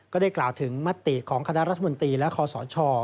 ก็ได้กล่าวถึงมติของคณะรัฐมนตรีและคอสช